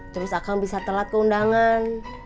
terus akan bisa telat ke undangan